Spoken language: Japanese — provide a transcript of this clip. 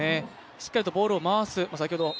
しっかりと、ボールを回す。